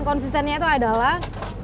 konsistennya tuh adalah